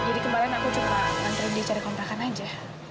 jadi kemarin aku coba nantikan dia cari kontrakan aja